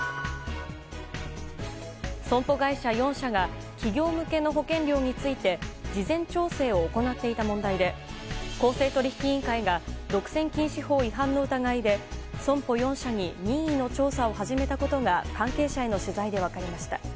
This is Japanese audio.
損保会社４社が企業向けの保険料について事前調整を行っていた問題で公正取引委員会が独占禁止法違反の疑いで損保４社に任意の調査を始めたことが関係者への取材で分かりました。